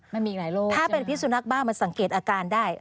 มันมีอีกหลายโรคถ้าเป็นพิสุนักบ้ามันสังเกตอาการได้